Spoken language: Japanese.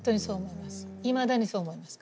いまだにそう思います。